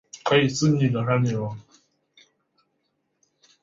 祖籍宁波府慈溪县慈城镇。